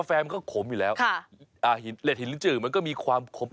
แต่ว่ามีประโยชน์ค่ะแล้วก็ที่นี่เขามีด้วยโอ้โหมีซะน้ำ